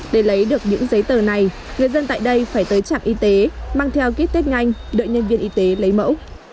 để lấy được những giấy tờ này người dân tại đây phải tới trạm y tế mang theo kit tết nganh đợi nhân viên y tế lấy mẫu